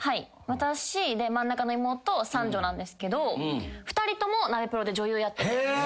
私で真ん中の妹三女なんですけど２人ともナベプロで女優やってる。